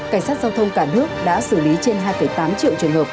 cảnh sát giao thông cả nước đã xử lý trên hai tám triệu trường hợp